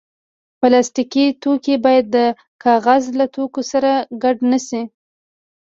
پلاستيکي توکي باید د کاغذ له توکو سره ګډ نه شي.